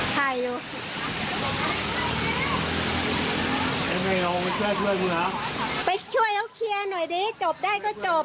๓คนง่ะเลยลุ้มเขาเลย